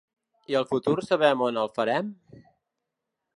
I el futur sabem on el farem?